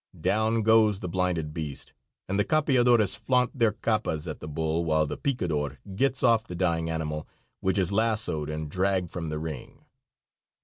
Down goes the blinded beast, and the capeadores flaunt their capas at the bull while the picadore gets off the dying animal, which is lassoed and dragged from the ring.